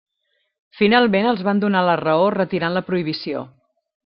Finalment els van donar la raó retirant la prohibició.